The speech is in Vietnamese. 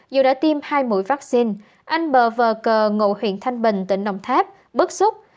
dù đã tiêm hai mũi vaccine anh bờ vờ cờ ngộ huyện thanh bình tỉnh đồng tháp bức xúc